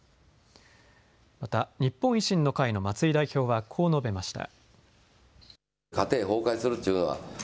また、日本維新の会の松井代表はこう述べました。